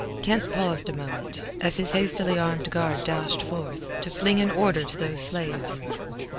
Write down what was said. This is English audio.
Kent paused a moment, as his hastily armed guard dashed forth, to fling an order to those slaves.